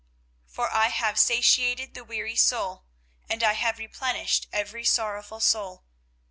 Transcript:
24:031:025 For I have satiated the weary soul, and I have replenished every sorrowful soul.